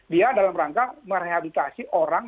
dia dalam rangka merehabilitasi orang